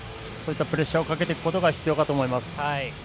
そういったプレッシャーをかけていくことが必要かと思います。